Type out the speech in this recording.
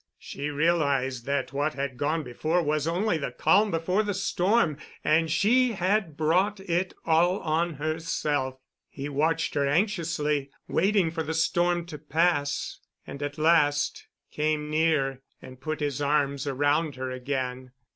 She realized that what had gone before was only the calm before the storm—and she had brought it all on herself! He watched her anxiously, waiting for the storm to pass, and at last came near and put his arms around her again.